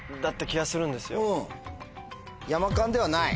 ヤマ勘ではない？